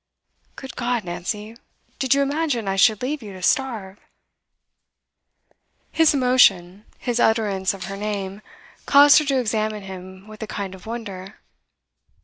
'Good God, Nancy! Did you imagine I should leave you to starve?' His emotion, his utterance of her name, caused her to examine him with a kind of wonder.